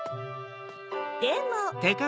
でも。